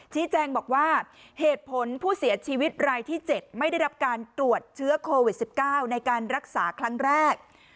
ชี้แจงบอกว่าเหตุผลผู้เสียชีวิตรายที่๗ไม่ได้รับการตรวจเชื้อโควิด๑๙ในการรักษาครั้งแรก